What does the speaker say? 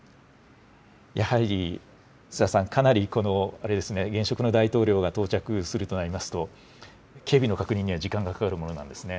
やはり、須田さん、かなりあれですね、現職の大統領が到着するとなりますと、警備の確認には時間がかかるものなんですね。